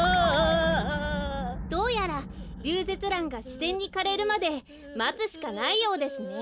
どうやらリュウゼツランがしぜんにかれるまでまつしかないようですね。